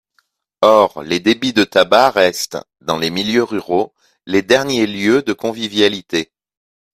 Or, les débits de tabac restent, dans les milieux ruraux, les derniers lieux de convivialité.